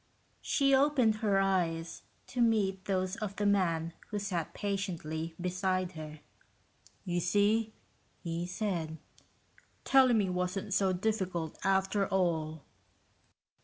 She opened he eyes to meet those of the man who sat patiently beside her. "You see," he said, "telling me wasn't so difficult, after all."